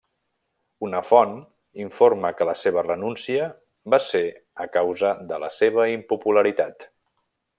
Una font informa que la seva renúncia va ser a causa de la seva impopularitat.